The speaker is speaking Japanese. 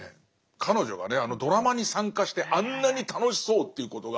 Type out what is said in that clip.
彼女がねあのドラマに参加してあんなに楽しそうっていうことが。